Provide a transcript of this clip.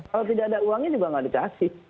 kalau tidak ada uangnya juga nggak dikasih